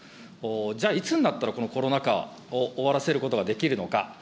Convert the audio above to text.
じゃあ、いつになったら、このコロナ禍を終わらせることができるのか。